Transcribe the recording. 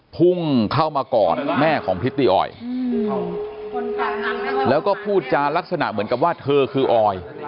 พุ่งเข้ามากอดแม่ของพริตตี้ออยแล้วก็พูดจารักษณะเหมือนกับว่าเธอคือออย